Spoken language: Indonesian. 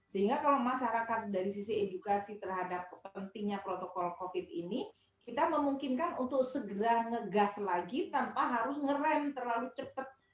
sehingga kalau masyarakat dari sisi edukasi terhadap pentingnya protokol covid ini kita memungkinkan untuk segera ngegas lagi tanpa harus ngerem terlalu cepat